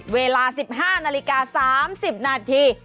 เวลา๑๕นาฬิกา๓๐นาที